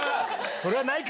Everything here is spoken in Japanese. それはないか！